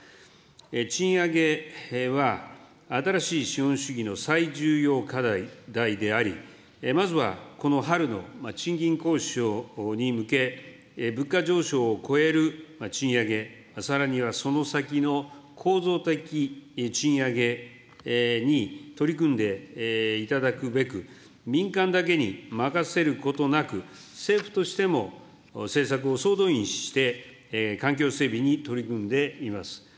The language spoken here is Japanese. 賃上げは、新しい資本主義の最重要課題であり、まずはこの春の賃金交渉に向け、物価上昇を超える賃上げ、さらにはその先の構造的賃上げに取り組んでいただくべく、民間だけに任せることなく、政府としても政策を総動員して、環境整備に取り組んでいます。